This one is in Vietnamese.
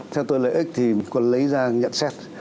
theo tôi lợi ích thì quân lấy ra nhận xét